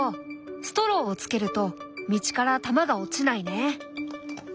ストローをつけると道から玉が落ちないね。